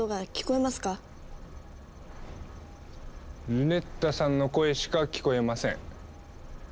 ルネッタさんの声しか聞こえません。